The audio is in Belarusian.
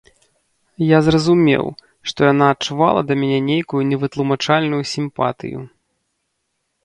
Я зразумеў, што яна адчувала да мяне нейкую невытлумачальную сімпатыю.